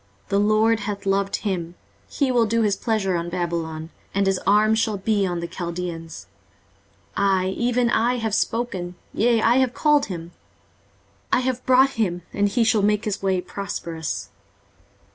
The LORD hath loved him: he will do his pleasure on Babylon, and his arm shall be on the Chaldeans. 23:048:015 I, even I, have spoken; yea, I have called him: I have brought him, and he shall make his way prosperous.